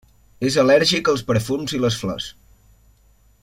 És al·lèrgica als perfums i les flors.